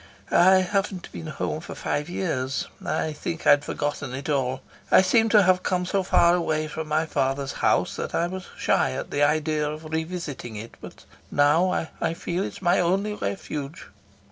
"I haven't been home for five years. I think I'd forgotten it all; I seemed to have come so far away from my father's house that I was shy at the idea of revisiting it; but now I feel it's my only refuge."